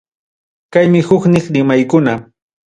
Kaymi huknin rimaykuna.